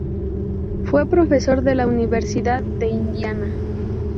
Fue profesor de la Universidad de Indiana.